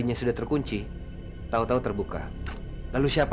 mas ada apa